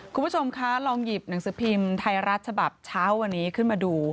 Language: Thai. คุณผู้ชมคะลองหยิบหนังสือพิมพ์ไทยรัฐฉบับเช้าวันนี้ขึ้นมาดู